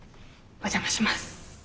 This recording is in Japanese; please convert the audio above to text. お邪魔します。